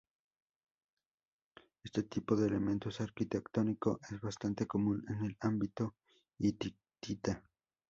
Este tipo de elementos arquitectónico es bastante común en el ámbito hitita.